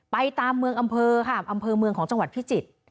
ตามเมืองอำเภอค่ะอำเภอเมืองของจังหวัดพิจิตร